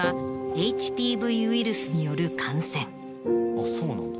あっそうなんだ。